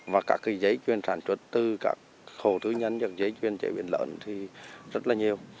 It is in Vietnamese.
và cả cái giấy chuyên sản xuất từ các hồ thứ nhân giấy chuyên trè biển lợn thì rất là nhiều